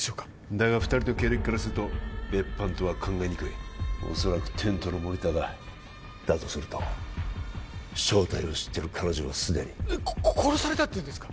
だが２人の経歴からすると別班とは考えにくい恐らくテントのモニターだだとすると正体を知ってる彼女は既にえっ殺されたっていうんですか？